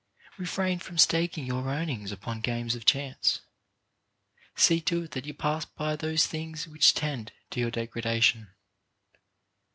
Refrain from staking your earnings upon games of chance. See to it that you pass by those things which tend to your degradation.